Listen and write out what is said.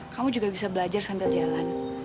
kamu juga bisa belajar sambil jalan